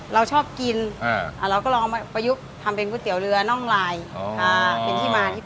เราชอบกินเราก็ลองมาประยุกต์ทำเป็นก๋วยเตี๋ยวเรือน่องลายเป็นที่มาที่ไป